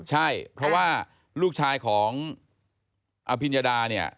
ใช่เพราะว่าลูกชายของอภิญญาดาเนี่ย